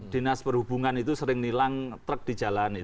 dinas perhubungan itu sering nilang truk di jalanin